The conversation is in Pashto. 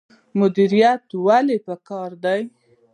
مدیریت ولې پکار دی؟